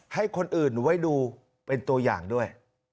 ให้คนอื่นไว้ดูเป็นตัวอย่างด้วย